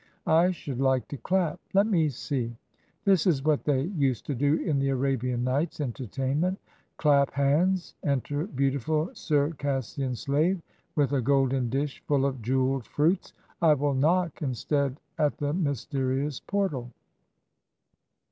I should like to clap. Let me see: that is what they used to do in the Arabian Nights entertainment clap hands, enter beautiful Circassian slave, with a golden dish full of jewelled fruits. I will knock instead at the mysterious portal."